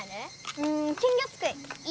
うん金魚すくい！